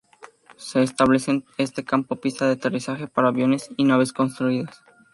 Se establece este campo pista de aterrizaje para aviones y naves construidas.